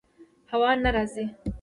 هوا نه راځي